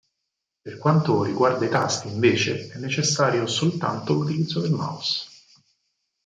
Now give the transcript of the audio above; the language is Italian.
Per quanto riguarda i tasti invece, è necessario soltanto l'utilizzo del mouse.